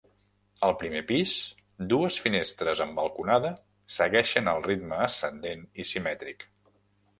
Al primer pis dues finestres amb balconada segueixen el ritme ascendent i simètric.